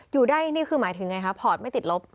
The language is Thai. อยู่ได้หมายถึงไงครับว่าพอร์ตไม่ติดลบ